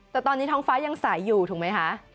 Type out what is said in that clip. แต่ตอนนี้ท้องฟ้ายังใสอยู่ถูกไหมคะ